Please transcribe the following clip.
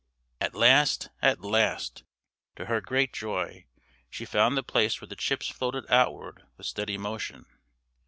At last, at last, to her great joy, she found the place where the chips floated outward with steady motion.